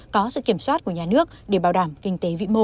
có sự kiểm soát của nhà nước để bảo đảm kinh tế vĩ mô